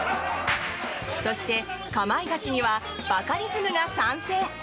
そして、「かまいガチ」にはバカリズムが参戦。